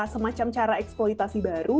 semacam cara eksploitasi baru